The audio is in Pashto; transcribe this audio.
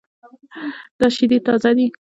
دا شیدې تازه دي